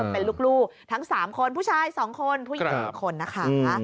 เป็นลูกทั้ง๓คนผู้ชาย๒คนผู้หญิง๑คนนะคะ